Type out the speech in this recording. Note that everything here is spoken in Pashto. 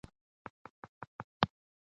په دې اړه څېړنه ډېره اړينه ده.